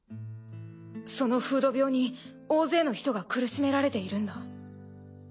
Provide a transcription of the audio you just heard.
その風土病に大勢の人が苦しめられているんだ。